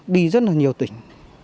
đi rất là nhiều tỉnh